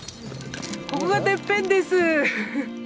ここがてっぺんです。